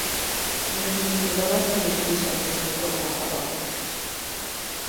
Négy évtized alatt négy főszerkesztő formálta a lapot.